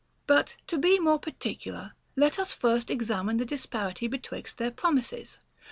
But, to be more particular, let us first examine the dis parity betwixt their promises.